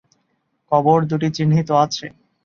কবর দুটি চিহ্নিত আছে।